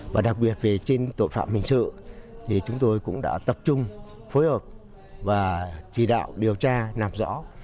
và đặc biệt về trên tội phạm hình sự thì chúng tôi cũng đã tập trung phối hợp và chỉ đạo điều tra làm rõ